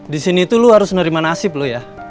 disini itu lu harus nerima nasib lu ya